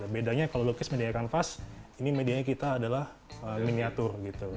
bedanya kalau lukis media kanvas ini medianya kita adalah miniatur gitu